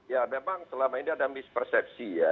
ya memang selama ini ada mispersepsi ya